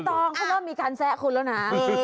น้องเบ้นตองเขาว่ามีการแชะคุณแล้วนะ